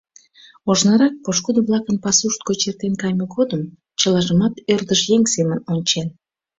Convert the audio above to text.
Ожнырак, пошкудо-влакын пасушт гоч эртен кайме годым, чылажымат ӧрдыж еҥ семын ончен.